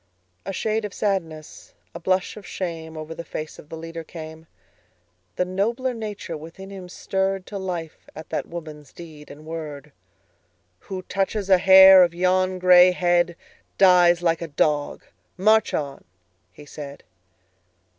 A shade of sadness, a blush of shame, Over the face of the leader came; The nobler nature within him stirredTo life at that woman's deed and word:"Who touches a hair of yon gray headDies like a dog! March on!" he said.